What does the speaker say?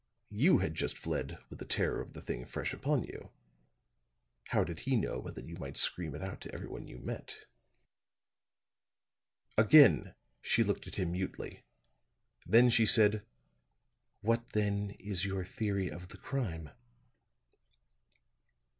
You had just fled with the terror of the thing fresh upon you. How did he know but that you might scream it out to everyone you met." Again she looked at him mutely. Then she said: "What, then, is your theory of the crime?"